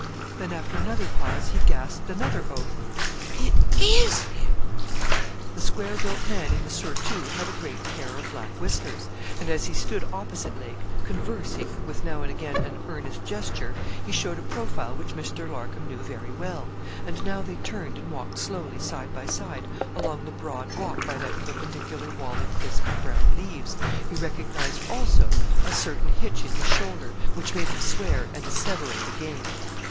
_' Then, after another pause, he gasped another oath: 'It is him!' The square built man in the surtout had a great pair of black whiskers; and as he stood opposite Lake, conversing, with, now and again, an earnest gesture, he showed a profile which Mr. Larcom knew very well; and now they turned and walked slowly side by side along the broad walk by that perpendicular wall of crisp brown leaves, he recognised also a certain hitch in his shoulder, which made him swear and asseverate again.